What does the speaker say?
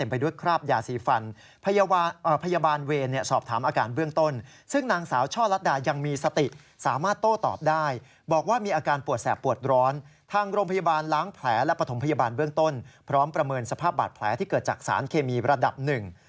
โรงพยาบาลล้างแผลและปฐมพยาบาลเบื้องต้นพร้อมประเมินสภาพบาดแผลที่เกิดจากสารเคมีระดับหนึ่ง